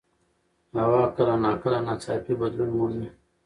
هوا کله ناکله ناڅاپي بدلون مومي